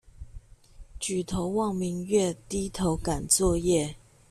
舉頭望明月，低頭趕作業